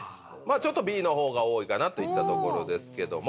ちょっとＢの方が多いかなといったところですけども。